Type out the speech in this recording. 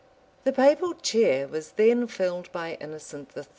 {1207.} The papal chair was then filled by Innocent III.